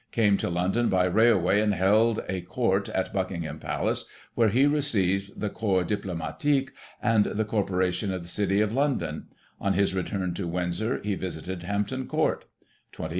— Came to London by railway, and held a Court at Buckingham Palace, where he received the Corps Viplo matique and the Corporation of the City of London On his return to Windsor, he visited Hampton Court 28th.